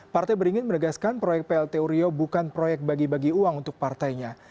partai beringin menegaskan proyek plt uriau bukan proyek bagi bagi uang untuk partainya